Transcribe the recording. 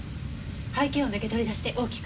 背景音だけ取り出して大きく。